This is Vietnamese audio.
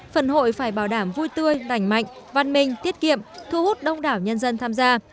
phần hội phải bảo đảm vui tươi đảnh mạnh văn minh tiết kiệm thu hút đông đảo nhân dân tham gia